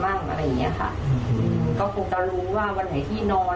อะไรอย่างเงี้ยค่ะก็คงจะรู้ว่าวันไหนที่นอน